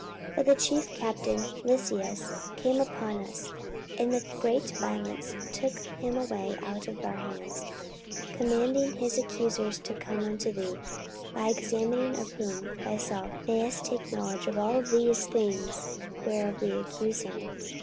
44:024:007 But the chief captain Lysias came upon us, and with great violence took him away out of our hands, 44:024:008 Commanding his accusers to come unto thee: by examining of whom thyself mayest take knowledge of all these things, whereof we accuse him.